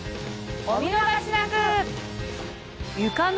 お見逃しなく！